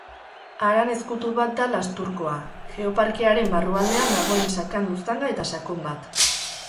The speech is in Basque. Haran ezkutu bat da Lasturkoa; Geoparkaren barrualdean dagoen sakan luzanga eta sakon bat.